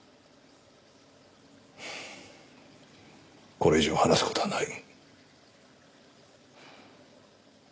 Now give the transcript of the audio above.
これ以上話す事はない。